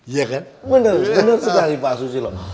bener sekali pak susilo